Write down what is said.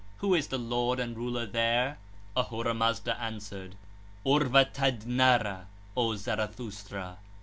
Who is the lord and ruler there? Ahura Mazda answered: 'Urvatad nara 2, O Zarathustra!